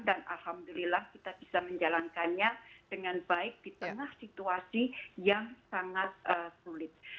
dan alhamdulillah kita bisa menjalankannya dengan baik di tengah situasi yang sangat sulit